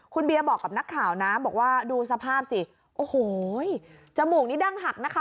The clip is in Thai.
คุณเบียบอกกับนักข่าวนะบอกว่าดูสภาพสิโอ้โหจมูกนี้ดั้งหักนะคะ